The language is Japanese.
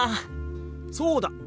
そうだ！